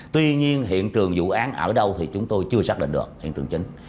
tuy nhiên hiện trường vụ án ở đâu thì chúng tôi chưa xác định được hiện trường chính